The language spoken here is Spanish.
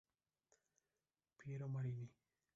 Piero Marini.